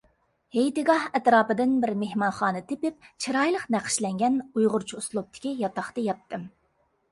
ھېيتگاھ ئەتراپىدىن بىر مېھمانخانا تېپىپ، چىرايلىق نەقىشلەنگەن ئۇيغۇرچە ئۇسلۇبتىكى ياتاقتا ياتتىم.